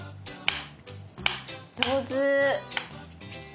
上手！